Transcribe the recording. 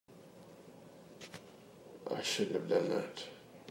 I shouldn't have done that.